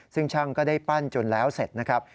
ซึ่งช่างก็ได้ปั้นจนแล้วเสร็จนะครับ